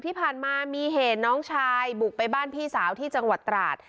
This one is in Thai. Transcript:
ที่ผ่านมามีเหตุน้องชายบุกไปบ้านพี่สาวที่จังหวัดตราด